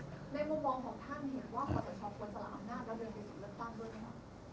ในมุมมองของท่านเห็นว่าขอตัดชอบคนตลาดหัวหน้าและเดินไปถึงรถตั้งด้วยมั้ยครับ